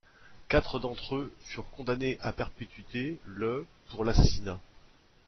Quatre d'entre eux furent condamnés à perpétuité le pour l'assassinat.